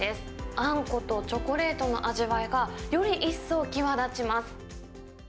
あんことチョコレートの味わいが、より一層際立ちます。